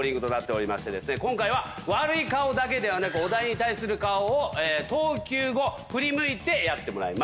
今回は悪い顔だけではなくお題に対する顔を投球後振り向いてやってもらいます。